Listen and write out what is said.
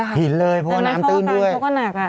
เค้าก็หนัก